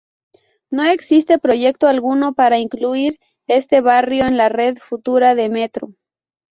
No existe proyecto alguno para incluir este barrio en la red futura de metro.